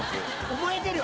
覚えてるよ。